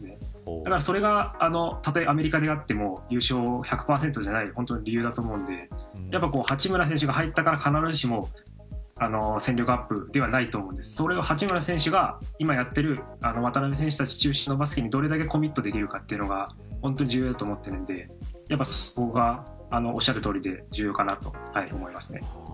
ただそれがたとえアメリカであっても優勝が１００％じゃない理由だと思うので八村選手が入ったから必ずしも戦力アップではないと思うんでそれは八村選手が今やっている渡邊選手中心のバスケにどれだけコミットできるかが重要だと思っているのでそこがおっしゃるとおりで重要かなと思います。